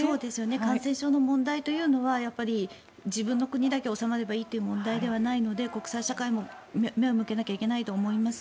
感染症の問題というのはやっぱり自分の国だけ収まればいいという問題ではないので国際社会も目を向けないといけないと思います。